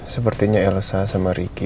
sepertinya elsa sama ricky